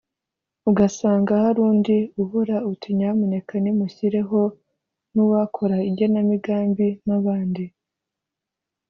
ugasanga hari undi ubura uti nyamuneka nimushyireho n’uwakora igenamigambi n’abandi